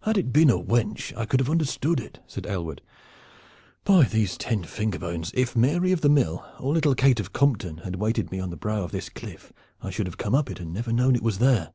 "Had it been a wench I could have understood it," said Aylward. "By these ten finger bones, if Mary of the mill or little Kate of Compton had waited me on the brow of this cliff, I should have come up it and never known it was there.